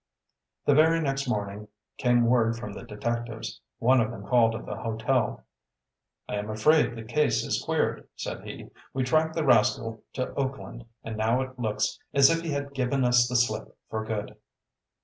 The very next morning came word from the detectives. One of them called at the hotel. "I am afraid the case is queered," said he. "We tracked the rascal to Oakland, and now it looks as if he had given us the slip for good."